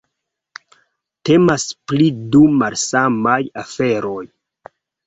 Temas pri du malsamaj aferoj.